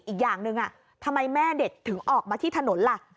อีกอย่างหนึ่งทำไมแม่เด็กถึงออกมาที่ถนนล่ะ